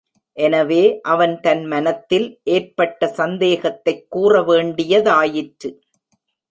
எனவே அவன் தன் மனத்தில் ஏற்பட்ட சந்தேகத்தைக் கூற வேண்டியதாயிற்று.